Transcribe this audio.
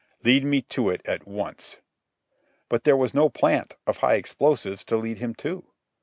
"Lead me to it at once." But there was no plant of high explosives to lead him to.